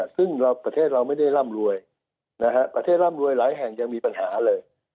ซึ่งประเทศเราไม่ได้ร่ำรวยประเทศร่ำรวยหลายแห่งยังมีปัญหาเลย